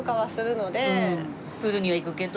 プールには行くけど。